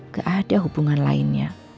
gak ada hubungan lainnya